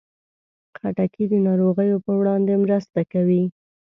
خټکی د ناروغیو پر وړاندې مرسته کوي.